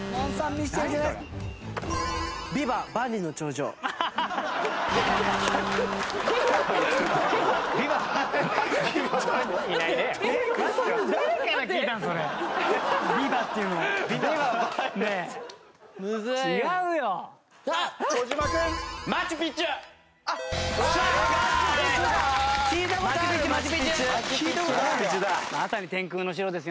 まさに天空の城ですよね。